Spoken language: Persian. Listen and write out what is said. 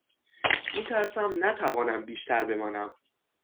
می ترسم نتوانم بیشتر بمانم.